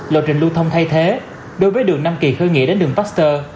lộ trình lưu thông thay thế đối với đường năm kỳ khơi nghĩa đến đường baxter